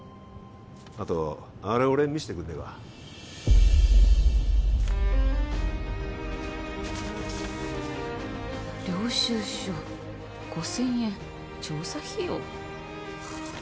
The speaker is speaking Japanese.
あとあれ俺に見せてくんねえか領収証５０００円調査費用？